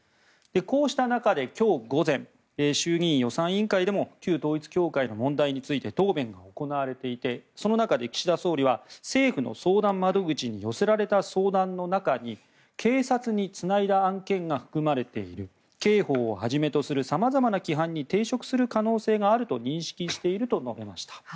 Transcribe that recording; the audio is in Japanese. こうした中で、今日午前衆議院予算委員会でも旧統一教会の問題について答弁が行われていてその中で岸田総理は政府の相談窓口に寄せられた相談の中に警察につないだ案件が含まれている刑法をはじめとする様々な規範に抵触する可能性があると認識していると述べました。